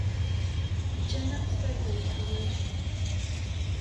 Ǧǧan-aɣ-d tarda n leḥwal.